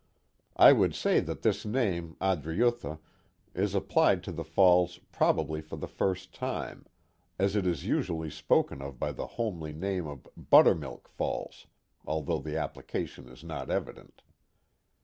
I would say that this name, Adriutha, is applied to the falls probably for the first time, as it is usually spoken of by the homely name of Buttermilk Falls, although the application is not evident.